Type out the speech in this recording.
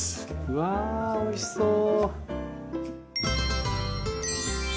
うわおいしそう。